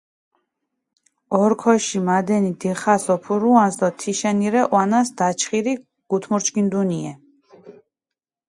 ორქოში მადენი დიხას ოფურუანს დო თიშენი რე ჸვანას დაჩხირი გუთმურჩქინდუნიე.